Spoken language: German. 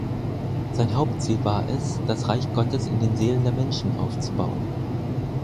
Sein Hauptziel war es, das Reich Gottes in den Seelen der Menschen aufzubauen.